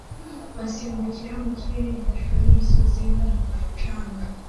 basimbukira mu kirere hejuru yumusozi wumucanga